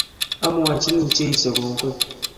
Amwachi Jesu kongoi